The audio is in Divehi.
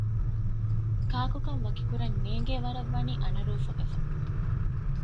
ކާކުކަން ވަކިކުރަން ނޭނގޭ ވަރަށް ވަނީ އަނަރޫފަ ވެފަ